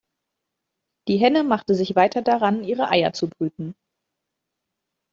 Die Henne machte sich weiter daran, ihre Eier zu brüten.